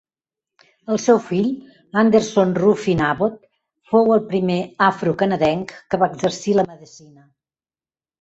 El seu fill, Anderson Ruffin Abbot, fou el primer afrocanadenc que va exercir la medecina.